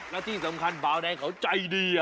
และที่สำคัญบาวแดงเขาใจดีอ่ะ